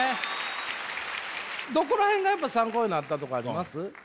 どこらへんがやっぱ参考になったとかあります？